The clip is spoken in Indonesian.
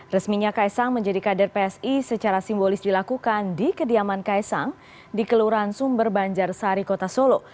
resminya kaisang menjadi kader psi secara simbolis dilakukan di kediaman kaisang di kelurahan sumber banjar sari kota solo